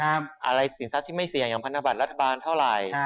อะไรสินทรัพย์ที่ไม่เสี่ยงอย่างพันธบัตรรัฐบาลเท่าไหร่